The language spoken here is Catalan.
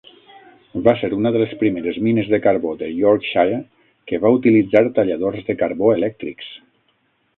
Va ser una de les primeres mines de carbó de Yorkshire que va utilitzar talladors de carbó elèctrics.